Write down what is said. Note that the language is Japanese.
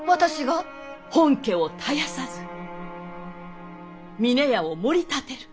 本家を絶やさず峰屋をもり立てる。